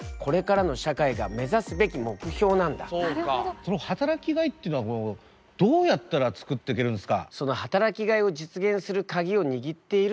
その働きがいっていうのはどうやったら作ってけるんすか？